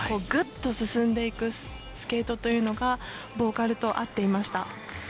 ぐっと進んでいくスケートというのがボーカルと合っていました。